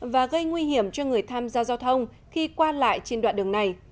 và gây nguy hiểm cho người tham gia giao thông khi qua lại trên đoạn đường này